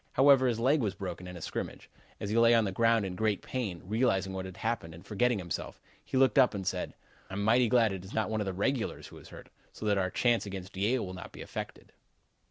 However, his leg was broken in a scrimmage. As he lay on the ground in great pain, realizing what had happened and forgetting himself, he looked up and said: "'I'm mighty glad it is not one of the regulars who is hurt, so that our chance against Yale will not be affected.'"